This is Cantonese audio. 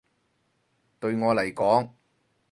對我嚟講